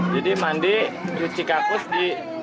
jadi mandi cuci kakus di